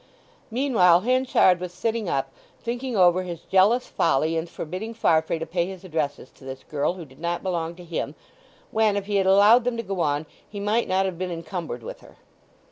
Meanwhile Henchard was sitting up, thinking over his jealous folly in forbidding Farfrae to pay his addresses to this girl who did not belong to him, when if he had allowed them to go on he might not have been encumbered with her.